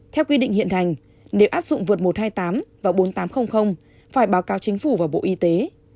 theo quy định hiện hành nếu áp dụng vượt một trăm hai mươi tám và bốn nghìn tám trăm linh phải báo cáo chính phủ và bộ y tế